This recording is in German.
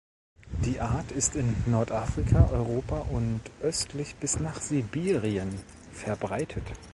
Die Art ist in Nordafrika, Europa und östlich bis nach Sibirien verbreitet.